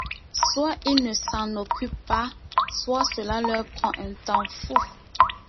Soit ils ne s’en occupent pas, soit cela leur prend un temps fou.